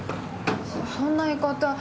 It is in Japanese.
そんな言い方。